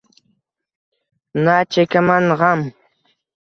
Na chekaman g’am